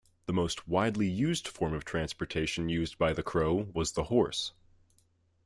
The most widely used form of transportation used by the Crow was the horse.